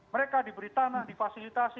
mereka diberi tanah difasilitasi